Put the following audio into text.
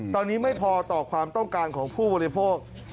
ตอนนี้ไม่พอต่อความต้องการของผู้บริโภค